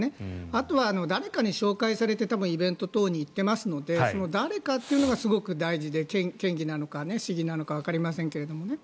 あとは、誰かに紹介されてイベント等に行っていますのでその誰かというのがすごく大事で県議なのか市議なのかわかりませんけれどもね